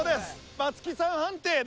松木さん判定で。